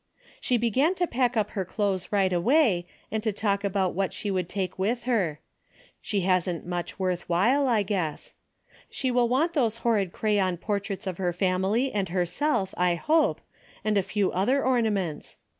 She began to pack up her clothes right away and to talk about what she would take with her. She hasn't much worth while, I guess. She will want those horrid crayon portraits of her family and herself, I hope, and a few other ornaments.